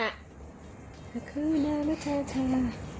ฮัคคูนามชาชา